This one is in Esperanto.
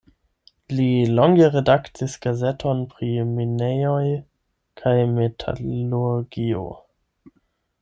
Li longe redaktis gazeton pri minejoj kaj metalurgio.